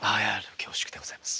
恐縮でございます。